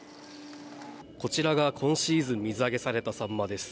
こちらが今シーズン水揚げされたサンマです。